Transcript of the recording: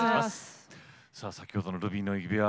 さあ先ほどの「ルビーの指環」